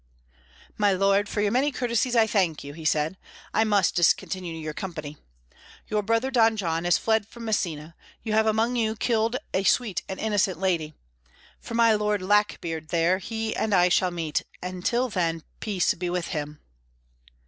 "My lord, for your many courtesies I thank you," he said. "I must discontinue your company. Your brother Don John is fled from Messina; you have among you killed a sweet and innocent lady. For my Lord Lackbeard there, he and I shall meet; and till then peace be with him."